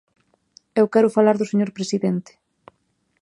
Eu quero falar do señor presidente.